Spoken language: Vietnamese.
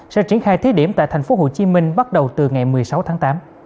sẽ triển khai thiết điểm tại thành phố hồ chí minh bắt đầu từ ngày một mươi sáu tháng tám